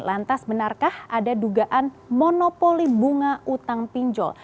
lantas benarkah ada dugaan monopoli bunga utang pinjol